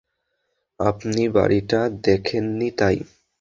আপনি বাড়িটা দেখেননি, তাই না?